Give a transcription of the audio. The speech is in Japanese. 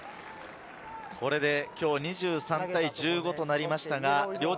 今日、２３対１５となりました。